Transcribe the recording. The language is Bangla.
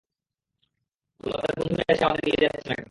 তোমাদের বন্ধুরা এসে আমাদের নিয়ে যাচ্ছে না কেন?